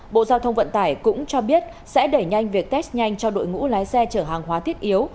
bộ giao thông vận tải cũng cho biết sẽ đẩy nhanh việc test nhanh cho đội ngũ lái xe chở hàng hóa thiết yếu